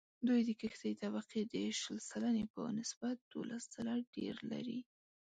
دوی د کښتې طبقې د شل سلنې په نسبت دوولس ځله ډېر لري